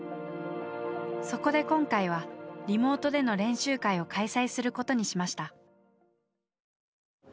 そこで今回はリモートでの練習会を開催することにしました。